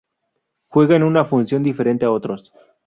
Juega en una función diferente a otros.